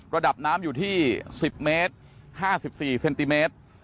ระดับน้ำอยู่ที่๑๐เมตร๕๔เซนติเมตร